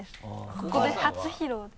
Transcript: ここで初披露です。